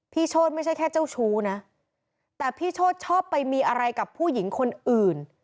โชธไม่ใช่แค่เจ้าชู้นะแต่พี่โชธชอบไปมีอะไรกับผู้หญิงคนอื่น